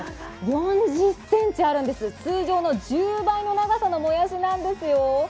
４０ｃｍあるんです、通常の１０倍の長さのもやしなんですよ。